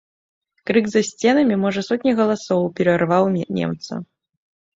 Крык за сценамі можа сотні галасоў перарваў немца.